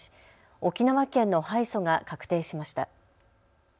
沖縄県の敗訴が確定しました。